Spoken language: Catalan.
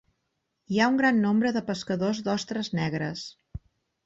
Hi ha un gran nombre de pescadors d'ostres negres.